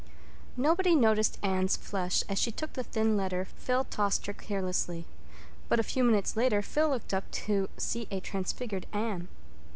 Nobody noticed Anne's flush as she took the thin letter Phil tossed her carelessly. But a few minutes later Phil looked up to see a transfigured Anne.